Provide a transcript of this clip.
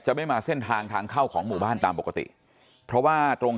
ไม่มาเส้นทางทางเข้าของหมู่บ้านตามปกติเพราะว่าตรง